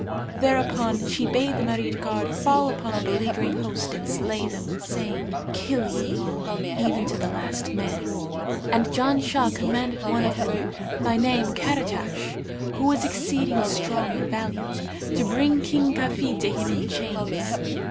There upon she bade the Marid guard fall upon the beleaguering host and slay them, saying, 'Kill ye all, even to the last man;' and Janshah commanded one of them, by name Karαtash,[FN#565] who was exceeding strong and valiant, to bring King Kafid to him in chains.